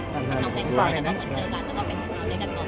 ให้น้องเล่นก่อนกับคุณเจอกันแล้วไปดูน้องได้ดันตรง